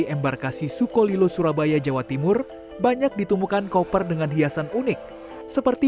embarkasi sukolilo surabaya jawa timur banyak ditemukan koper dengan hiasan unik seperti